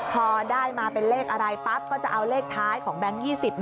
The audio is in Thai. พอได้มาเป็นเลขอะไรปั๊บก็จะเอาเลขท้ายของแบงค์๒๐